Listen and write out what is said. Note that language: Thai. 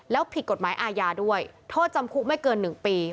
แล้วผิดกฎหมายอาญาด้วยโทษจำคุกไม่เกิน๑ปี